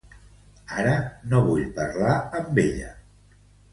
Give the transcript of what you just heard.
Ara no vull parlar amb ella.